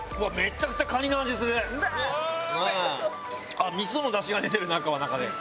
あっみその出汁が出てる中は中で。